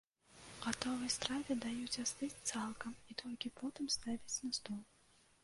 Гатовай страве даюць астыць цалкам і толькі потым ставяць на стол.